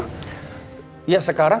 ya sekarang kecil aja aku ngomong sama dia